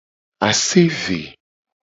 Ase eve.